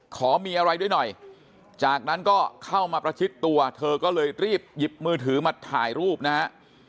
ขอมีอะไรด้วยหน่อยจากนั้นก็เข้ามาประชิดตัวเธอก็เลยรีบหยิบมือถือมาถ่ายรูปนะฮะ